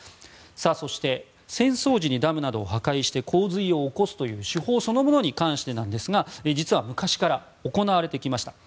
そして戦争時にダムなどを破壊して洪水を起こすという手法そのものに関してですが実は、昔から行われてきました。